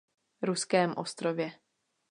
Ruském ostrově.